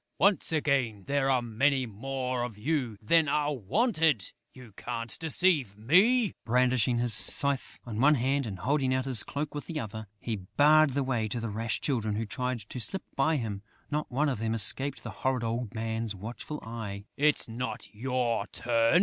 Once again, there are many more of you than are wanted!... You can't deceive me!" Brandishing his scythe in one hand and holding out his cloak with the other, he barred the way to the rash Children who tried to slip by him. Not one of them escaped the horrid old man's watchful eye: "It's not your turn!"